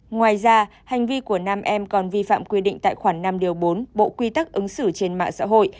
ngoài ra hành vi của nam em còn vi phạm quy định tại khoản năm điều bốn bộ quy tắc ứng xử trên mạng xã hội